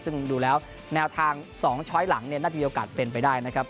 ซึ่งดูแล้วแนวทาง๒ช้อยหลังเนี่ยน่าจะมีโอกาสเป็นไปได้นะครับ